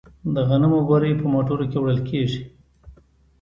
د غنمو بورۍ په موټرو کې وړل کیږي.